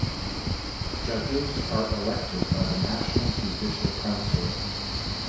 Judges are elected by the National Judicial Council.